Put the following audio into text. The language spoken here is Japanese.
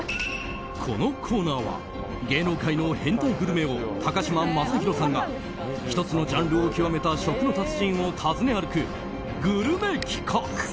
このコーナーは芸能界の変態グルメ王高嶋政宏さんが１つのジャンルを極めた食の達人を訪ね歩く、グルメ企画。